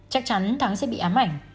chắc chắn thắng sẽ bị ám ảnh